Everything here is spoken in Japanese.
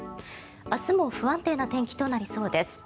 明日も不安定な天気となりそうです。